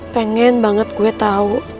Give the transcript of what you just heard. pengen banget gue tahu